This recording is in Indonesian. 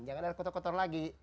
jangan ada kotor kotor lagi